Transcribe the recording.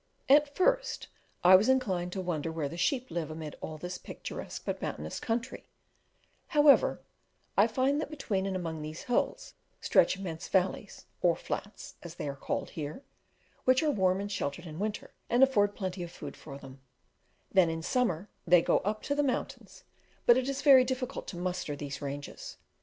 At first I was inclined to wonder where the sheep live amid all this picturesque but mountainous country: however, I find that between and among these hills stretch immense valleys (or "flats," as they are called here), which are warm and sheltered in winter, and afford plenty of food for them; then, in summer, they go up to the mountains: but it is very difficult to "muster" these ranges.